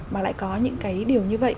mà lại có những cái điều như vậy